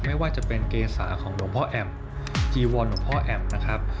ไม่ว่าจะเป็นเกษาของหลวงพ่อแอมจีวรหลวงพ่อแอมนะครับ